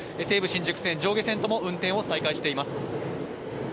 西武新宿線、上下線ともに運転を再開しています。